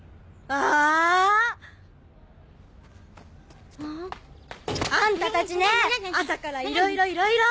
あん？あんたたちねぇ朝からいろいろいろいろ！